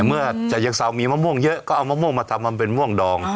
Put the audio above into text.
เมื่อชะเชิงเซามีมะม่วงเยอะก็เอามะม่วงมาทำมาเป็นม่วงดอง